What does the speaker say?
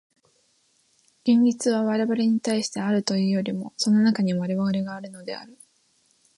現実は我々に対してあるというよりも、その中に我々があるのである。